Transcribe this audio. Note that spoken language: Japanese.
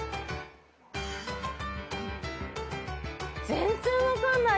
全然分かんない。